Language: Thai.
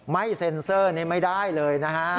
ไม่เซ็นเซอร์นี่ไม่ได้เลยนะฮะ